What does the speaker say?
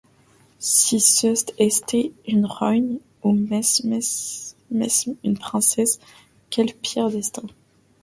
Si c’eust esté une royne, ou mesmes une princesse, quel pire destin!